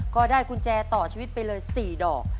ก็ได้กุญแจต่อชีวิตไปเลย๔ดอก